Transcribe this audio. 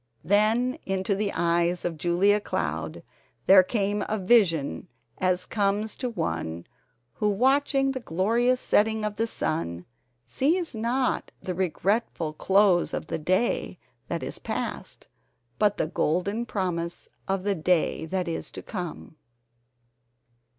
Then into the eyes of Julia Cloud there came a vision as comes to one who watching the glorious setting of the sun sees not the regretful close of the day that is past, but the golden promise of the day that is to come.